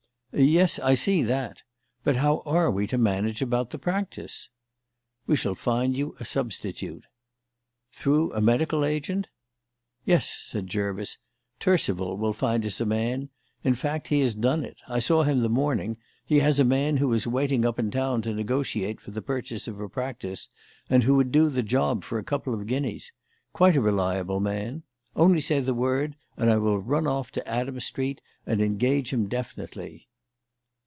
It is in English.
"Yes, I see that. But how are we to manage about the practice?" "We shall find you a substitute." "Through a medical agent?" "Yes," said Jervis. "Turcival will find us a man; in fact, he has done it. I saw him this morning; he has a man who is waiting up in town to negotiate for the purchase of a practice and who would do the job for a couple of guineas. Quite a reliable man. Only say the word, and I will run off to Adam Street and engage him definitely."